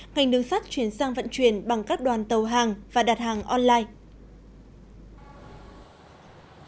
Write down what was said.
ngành đường sắt chuyển sang vận chuyển bằng các đoàn tàu hàng và đặt hàng online